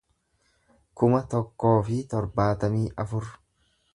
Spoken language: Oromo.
kuma tokkoo fi torbaatamii afur